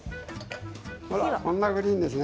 こんなグリーンですね。